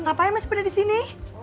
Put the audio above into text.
ngapain masih pada disini